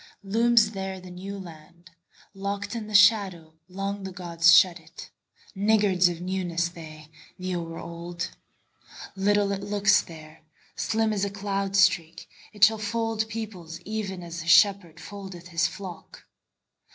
Looms there the New Land:Locked in the shadowLong the gods shut it, Niggards of newnessThey, the o'er old. Little it looks there, Slim as a cloud streak; It shall fold peoplesEven as a shepherdFoldeth his flock.